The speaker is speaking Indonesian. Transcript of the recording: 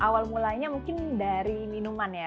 pemula mungkin dari minuman